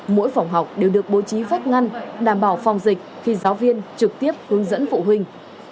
mỗi phòng học đều được bố trí vách ngăn đảm bảo phòng dịch khi giáo viên trực tiếp hướng dẫn phụ huynh